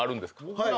はい。